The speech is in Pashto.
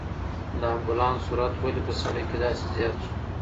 د امبولانس سرعت ولې په سړک کې داسې زیات شو؟